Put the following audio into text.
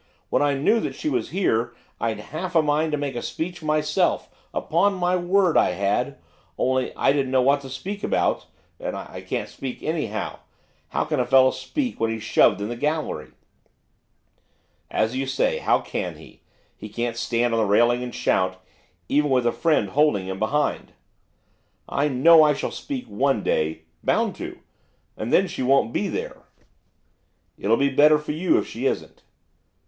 When I knew that she was there, I'd half a mind to make a speech myself, upon my word I had, only I didn't know what to speak about, and I can't speak anyhow, how can a fellow speak when he's shoved into the gallery?' 'As you say, how can he? he can't stand on the railing and shout, even with a friend holding him behind.' 'I know I shall speak one day, bound to; and then she won't be there.' 'It'll be better for you if she isn't.